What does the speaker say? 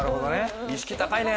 意識高いね。